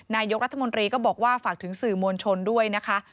นายกรัฐมนตรีก็บอกว่าฝากถึงสื่อมวลชนด้วยนะคะ